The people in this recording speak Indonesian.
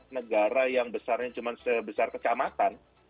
negara yang besarnya cuma sebesar kecamatan